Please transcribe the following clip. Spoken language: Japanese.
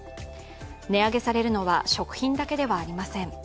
値上げされるのは食品だけではありません。